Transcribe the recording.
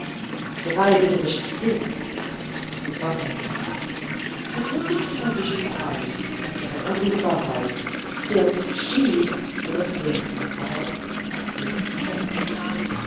"If I had been a vicious spirit and that frog eyed woman had looked into my vicious eyes with her ugly frog eyes still she would have been a vile, ugly wretch.